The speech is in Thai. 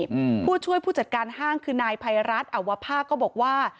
อืมผู้ช่วยผู้จัดการห้างคือนายภัยรัฐอวภาคก็บอกว่า